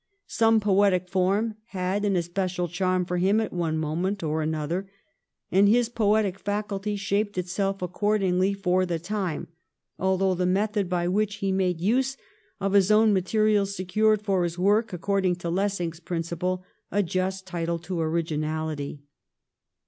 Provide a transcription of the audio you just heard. Some poetic form had an especial charm for him at one moment or another, and his poetic faculty shaped itself accordingly for the time, although the method by which he made use of his own materials secured for his work, according to Lessing's principle, a just title to originality.